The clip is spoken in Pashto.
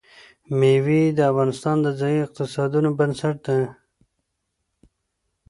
مېوې د افغانستان د ځایي اقتصادونو بنسټ دی.